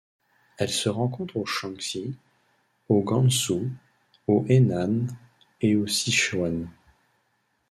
Elle se rencontre au Shaanxi, au Gansu, au Henan et au Sichuan.